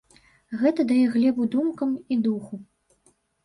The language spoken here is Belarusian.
Гэта дае глебу думкам і духу!